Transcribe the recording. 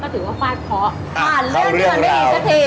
ก็ถือว่าฝ้าขอผ่านเรื่องด้วยกันได้อีกสักที